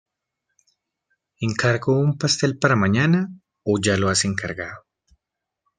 Encargo un pastel para mañana ¿o ya lo has encargado?